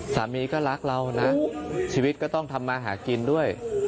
สามีก็รักเรานะชีวิตก็ต้องทำมาหากินด้วย